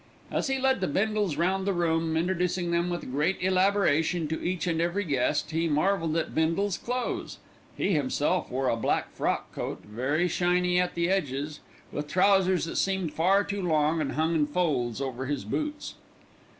As he led the Bindles round the room, introducing them with great elaboration to each and every guest, he marvelled at Bindle's clothes. He himself wore a black frock coat, very shiny at the edges, with trousers that seemed far too long and hung in folds over his boots.